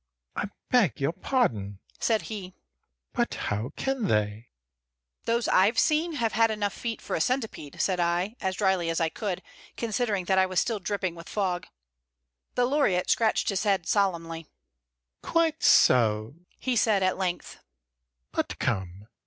"I beg your pardon," said he. "But how can they?" "Those I've seen have had feet enough for a centipede," said I, as dryly as I could, considering that I was still dripping with fog. The laureate scratched his head solemnly. "Quite so," he said, at length.